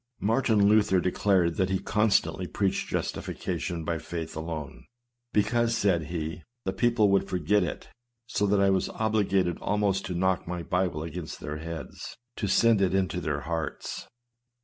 Martin Luther declared that he constantly preached justification by faith alone, " because," said he, "the people would forget it ; so that I was obliged almost to knock my Bible against their heads, to send it into their hearts."